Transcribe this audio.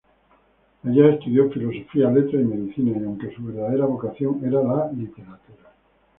Allá estudió Filosofía, Letras y Medicina, aunque su verdadera vocación era la literatura.